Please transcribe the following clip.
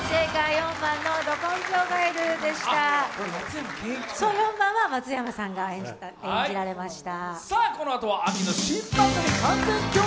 ４番は松山さんが演じられました。